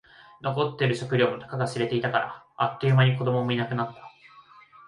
残っている食料もたかが知れていたから。あっという間に子供もいなくなった。